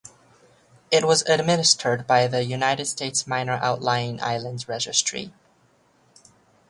It was administered by the United States Minor Outlying Islands Registry.